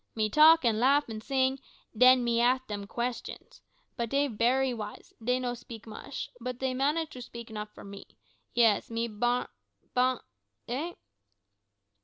Me talk an' laugh an' sing, den me ax dem questions. But dey bery wise; dey no speak mush, but dey manage to speak 'nuff for me. Yis, me bam bam eh?"